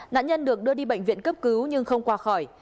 nạn nhân được đưa đi bệnh viện cấp cứu nhưng không qua khỏi